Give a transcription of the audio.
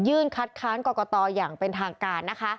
ยื่นคัดค้านกรกตอย่างเป็นทางการ